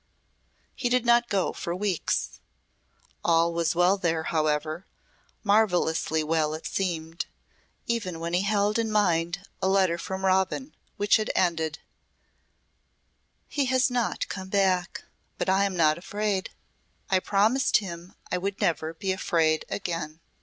He did not go for weeks. All was well there however marvellously well it seemed, even when he held in mind a letter from Robin which had ended: "He has not come back. But I am not afraid. I promised him I would never be afraid again."